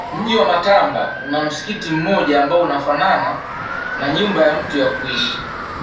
Mji wa Matamba una msikiti mmoja ambao unafanana na nyumba ya mtu ya kuishi